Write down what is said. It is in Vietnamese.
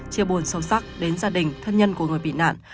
chia buồn sâu sắc đến gia đình thân nhân của người bị nạn